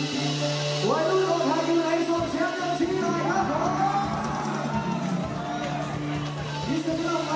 ตอนต่างคนต่างคนรอสามารถต่อคนไม่เห็นใคร